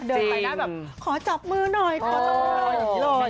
เดินไปได้แบบขอจับมือหน่อยขอจับมือหน่อย